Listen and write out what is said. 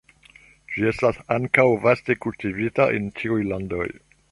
Ĝi estas ankaŭ vaste kultivita en tiuj landoj.